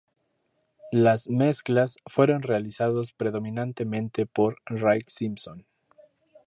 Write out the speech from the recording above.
Las ‹mezclas› fueron realizados predominantemente por Rik Simpson.